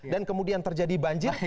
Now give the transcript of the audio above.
dan kemudian terjadi banjir